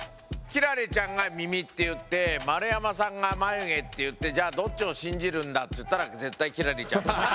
輝星ちゃんが耳って言って丸山さんが眉毛って言ってじゃあどっちを信じるんだって言ったら絶対輝星ちゃん。